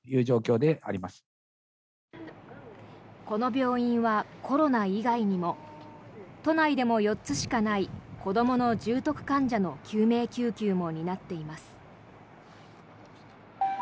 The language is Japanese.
この病院はコロナ以外にも都内でも４つしかない子どもの重篤患者の救命救急も担っています。